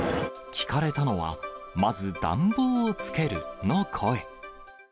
聞かれたのは、まず暖房をつけるの声。